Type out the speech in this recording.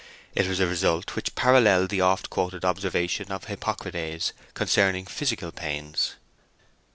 It was a result which paralleled the oft quoted observation of Hippocrates concerning physical pains.